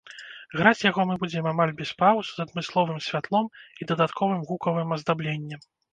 Граць яго будзем амаль без паўз, з адмысловым святлом і дадатковым гукавым аздабленнем.